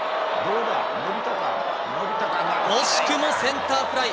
惜しくもセンターフライ。